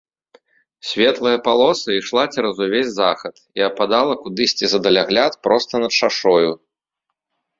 Светлая палоса ішла цераз увесь захад і ападала кудысьці за далягляд проста над шашою.